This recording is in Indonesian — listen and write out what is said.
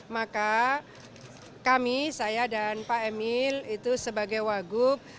maka kami saya dan pak emil itu sebagai wagub